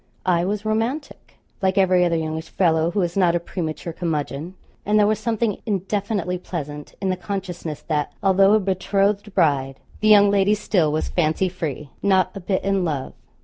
I was romantic, like every other youngish fellow who is not a premature curmudgeon; and there was something indefinitely pleasant in the consciousness that, although a betrothed bride, the young lady still was fancy free: not a bit in love.